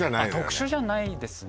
特殊じゃないですね